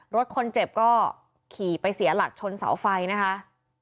รถคนเจ็บก็ขี่ไปเสียหลักชนเสาไฟนะคะ